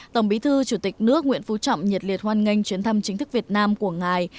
tổng bí thư chủ tịch nước nguyễn phú trọng nhiệt liệt hoan nghênh chuyến thăm chính thức việt nam của ngài